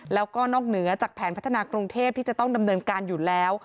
แล้วก็นอกเหนือจากแผนพัฒนากรุงเทพที่จะต้องดำเนินการอยู่แล้ว